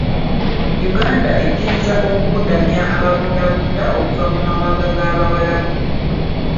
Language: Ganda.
Uganda ekkiriza okubudamya ababundabunda okuva mu mawanga g'Abawalabu.